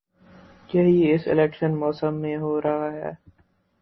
یہی اس الیکشن موسم میں ہو رہا ہے۔